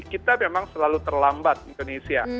kita memang selalu terlambat indonesia